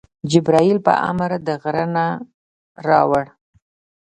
جبریل په امر د غره نه راوړ.